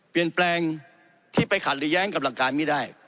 เปลี่ยนแปลงที่ไปขัดหรือแย้งกับหลักการไม่ได้